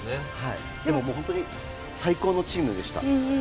でも、本当に最高のチームでした。